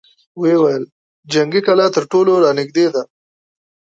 ويې ويل: جنګي کلا تر ټولو را نېږدې ده!